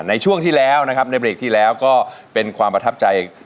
ในช่วงที่แล้วนะครับในเบรกที่แล้วก็เป็นความประทับใจ